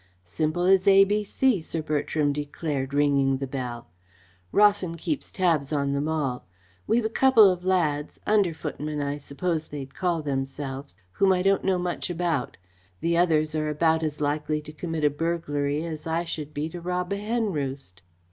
"Simple as A.B.C.," Sir Bertram declared, ringing the bell. "Rawson keeps tabs on them all. We've a couple of lads under footmen, I suppose they'd call themselves whom I don't know much about. The others are about as likely to commit a burglary as I should be to rob a hen roost.